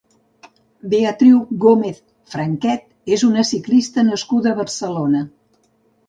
Beatriu Gómez Franquet és una ciclista nascuda a Barcelona.